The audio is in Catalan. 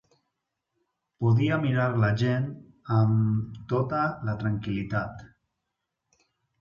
Podia mirar la gent am tota la tranquil·litat